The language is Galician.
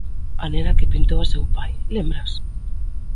_A nena que pintou a seu pai, lembras?